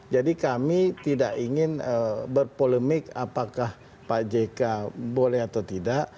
jadi kami tidak ingin berpolemik apakah pak jk boleh atau tidak